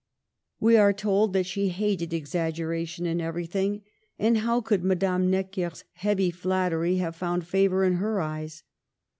We are told that she hated exaggeration in everything; and how could Madame Necker's heavy flattery have found favor in her eyes